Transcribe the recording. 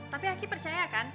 tapi aki percaya kan